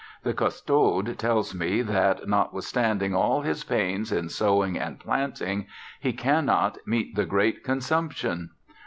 The Custode tells me, that, notwithstanding all his pains in sowing and planting, he cannot "meet the great consumption."